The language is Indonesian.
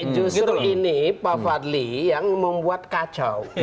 justru ini pak fadli yang membuat kacau